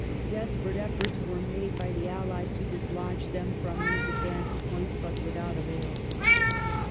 Desperate efforts were made by the allies to dislodge them from these advanced points but without avail.